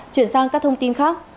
chuyển sang các thông tin khác